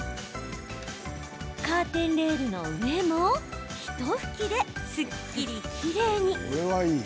カーテンレールの上もひと拭きですっきりきれいに。